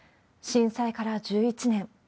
震災から１１年。